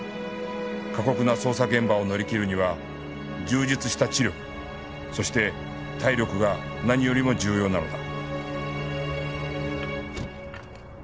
過酷な捜査現場を乗り切るには充実した知力そして体力が何よりも重要なのだ